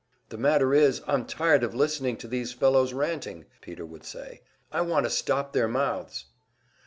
"The matter is, I'm tired of listening to these fellows ranting," Peter would say. "I want to stop their mouths."